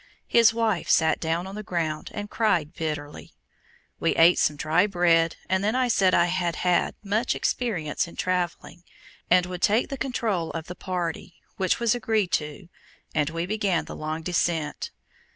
His wife sat down on the ground and cried bitterly. We ate some dry bread, and then I said I had had much experience in traveling, and would take the control of the party, which was agreed to, and we began the long descent.